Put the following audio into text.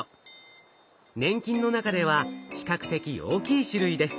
粘菌の中では比較的大きい種類です。